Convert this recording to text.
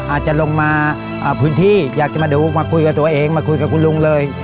อาจจะลงมาพื้นที่อยากจะมาดูมาคุยกับตัวเองมาคุยกับคุณลุงเลย